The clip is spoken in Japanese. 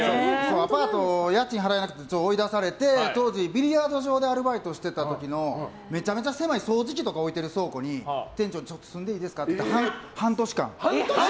アパート、家賃が払えなくて追い出されて当時、ビリヤード場でアルバイトしてた時のめちゃくちゃ狭い掃除機とか置いていた倉庫に店長に住んでいいですかって半年間。